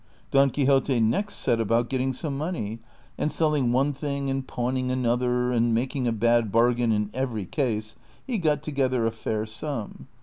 Don Quixote next set about getting some money ; and selling one thing and pawning another, and making a bad bargain in every case, he got together a fair sum.